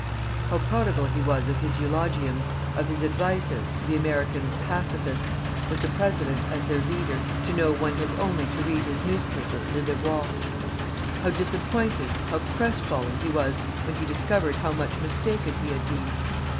How prodigal he was of his eulogiums, of his advices, to the American "pacifists," with the President as their leader, to know one has only to read his newspaper "Le Devoir." How disappointed, how crest fallen, he was when he discovered how much mistaken he had been!